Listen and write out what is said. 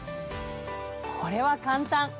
これは簡単！